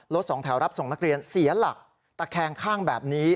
สองแถวรับส่งนักเรียนเสียหลักตะแคงข้างแบบนี้